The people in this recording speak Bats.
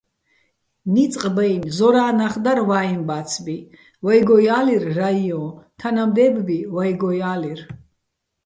ნიწყ ბაჲნი̆, ზორა́ჼ ნახ დარ ვაჲ ბა́ცბი, ვაჲგო ჲა́ლირ რაიოჼ, თანამდე́ბბი ვაჲგო ჲა́ლირ.